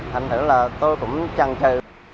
thành thử là tôi cũng chẳng chờ